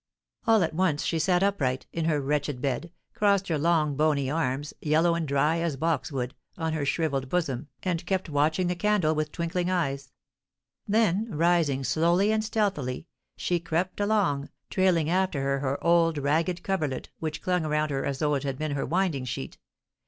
All at once she sat upright in her wretched bed, crossed her long, bony arms, yellow and dry as box wood, on her shrivelled bosom, and kept watching the candle with twinkling eyes; then, rising slowly and stealthily, she crept along, trailing after her her old ragged coverlet, which clung around her as though it had been her winding sheet.